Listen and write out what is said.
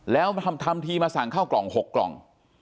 แล้วทำทีมาสั่งข้าวกล่อง๖กล่อง